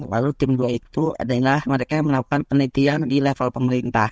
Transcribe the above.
lalu tim dua itu adalah mereka yang melakukan penelitian di level pemerintah